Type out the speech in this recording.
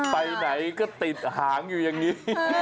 ไปไหนก็ติดหางอยู่อย่างนี้